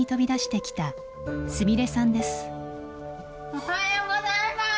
おはようございます。